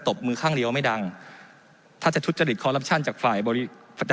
บมือข้างเดียวไม่ดังถ้าจะทุจริตคอรัปชั่นจากฝ่าย